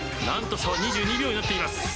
何と差は２２秒になっています。